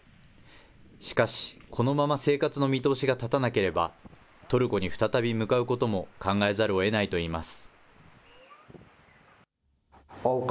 しかし、このまま生活の見通しが立たなければ、トルコに再び向かうことも考えざるをえないといいます。